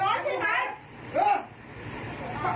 อ๋อไอ้น้อยที่ไหน